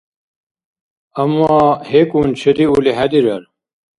Амма гьекӀун чедиули хӀедирар.